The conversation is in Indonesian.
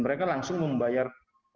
mereka langsung membayar